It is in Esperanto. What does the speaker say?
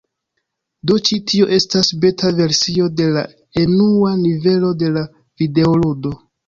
Do ĉi tio estas beta versio de la enua nivelo de la videoludo.